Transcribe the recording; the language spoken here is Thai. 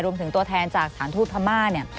รวมถึงตัวแทนจากถามรูปธรรมณ์